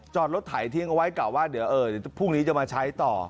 จอดรถไถทิ้งเอาไว้กะว่าเดี๋ยวพรุ่งนี้จะมาใช้ต่อ